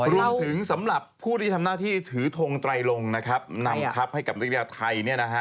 รวมถึงสำหรับผู้ที่ทำหน้าที่ถือทงไตรลงนำครับให้กับนักกีฬาไทย